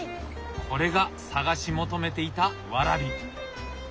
これが探し求めていたワラビ！